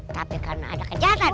tapi karena ada kejahatan